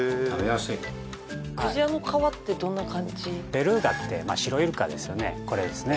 ベルーガってまあ白イルカですよねこれですね